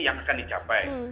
yang akan dicapai